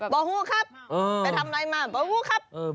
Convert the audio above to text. บอกหู้ครับไปทำอะไรเหมาะบอกหู้ครับ